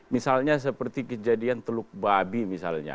misalnya seperti kejadian teluk babi misalnya